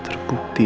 makhluk nomor tiga